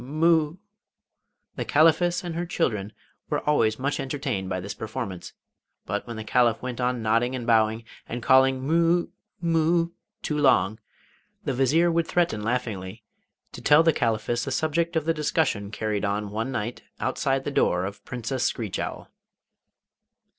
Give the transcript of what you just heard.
Mu...' The Caliphess and her children were always much entertained by this performance; but when the Caliph went on nodding and bowing, and calling 'Mu...mu...' too long, the Vizier would threaten laughingly to tell the Chaliphess the subject of the discussion carried on one night outside the door of Princess Screech Owl.